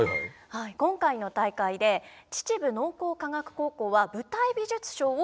今回の大会で秩父農工科学高校は舞台美術賞を受賞しました。